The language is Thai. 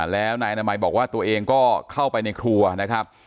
แล้วนายอนามัยบอกว่าตัวเองก็เข้าไปในครัวนะครับ